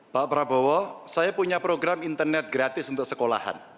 pak prabowo saya punya program internet gratis untuk sekolahan